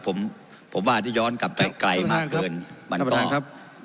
ผมผมว่าถ้าย้อนกลับไปไกลมากเกินมันก็ครับ